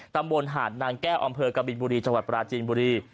ตำบลหาดนางแก้วอำเภอกบินบุรีจังหวัดปราจีนบุรี